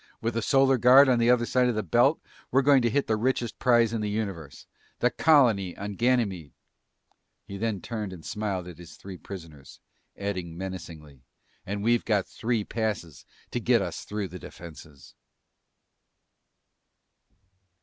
"With the Solar Guard on the other side of the belt, we're going to hit the richest prize in the universe! The colony on Ganymede!" He then turned and smiled at his three prisoners, adding menacingly, "And we've got three passes to get us through the defenses!"